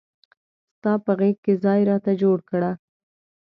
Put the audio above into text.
ستا په غیږ کې ځای راته جوړ کړه.